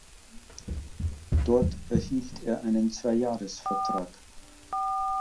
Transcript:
Dort erhielt er einen Zweijahresvertrag.